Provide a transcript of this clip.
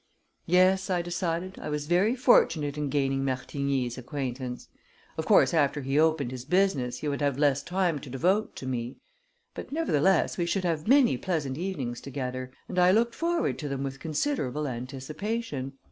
Yes, I decided, I was very fortunate in gaining Martigny's acquaintance. Of course, after he opened his business, he would have less time to devote to me; but, nevertheless, we should have many pleasant evenings together, and I looked forward to them with considerable anticipation.